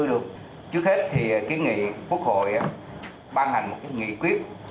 trước hết thì ký nghị quốc hội ban hành một nghị quyết